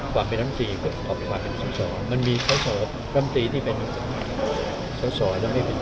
ความเป็นลำตีความเป็นสอสอมันมีสอสอร่ำตีที่เป็นสอสอแล้วไม่เป็น